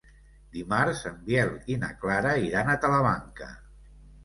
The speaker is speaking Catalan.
Dimarts en Biel i na Clara iran a Talamanca.